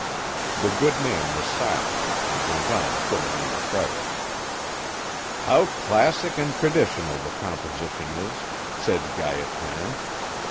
The good man was silent, and went on filling in the crevice. "How classic and traditional the composition is," said Gaétan.